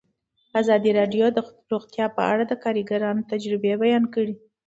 ازادي راډیو د روغتیا په اړه د کارګرانو تجربې بیان کړي.